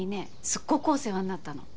すっごくお世話になったの。